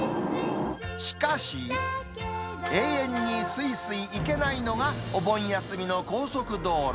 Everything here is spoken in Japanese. しかし、永遠にすいすい行けないのがお盆休みの高速道路。